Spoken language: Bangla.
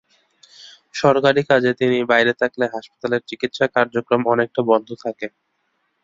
সরকারি কাজে তিনি বাইরে থাকলে হাসপাতালের চিকিৎসা কার্যক্রম অনেকটা বন্ধ থাকে।